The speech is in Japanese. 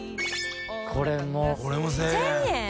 海譴癲これも１０００円？